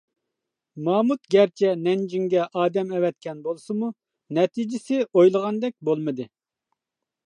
مامۇت گەرچە نەنجىڭگە ئادەم ئەۋەتكەن بولسىمۇ نەتىجىسى ئويلىغاندەك بولمىدى.